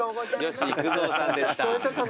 吉幾三さんでした。